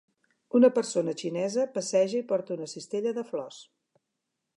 Una persona xinesa passeja i porta una cistella de flors.